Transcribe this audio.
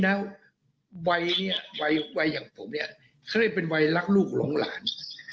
แล้ววัยเนี่ยวัยอย่างผมเนี่ยเขาได้เป็นวัยรักลูกหลงหลาน